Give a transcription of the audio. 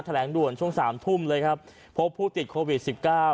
แหลงด่วนช่วงสามทุ่มเลยครับพบผู้ติดโควิดสิบเก้า